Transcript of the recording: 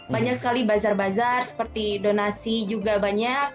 banyak sekali bazar bazar seperti donasi juga banyak